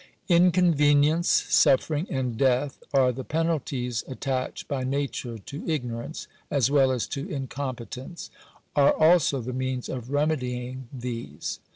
Inconvenience, suffering, and death, are the penalties at tached by nature to ignorance, as well as to incompetence — are also the means of remedying these.